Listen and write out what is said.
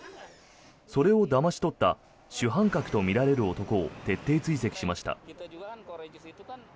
それをだまし取った主犯格とみられる男を徹底追跡しました。